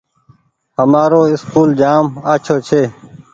همآرو اسڪول جآم آڇو ڇي۔